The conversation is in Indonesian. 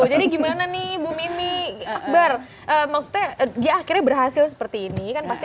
jadi gimana nih bu mimi akbar maksudnya dia akhirnya berhasil seperti ini kan pasti